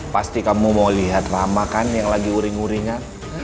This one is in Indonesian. pasti kamu mau lihat lama kan yang lagi uring uringan